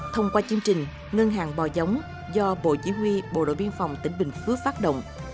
thông qua chương trình ngân hàng bò giống do bộ chỉ huy bộ đội biên phòng tỉnh bình phước phát động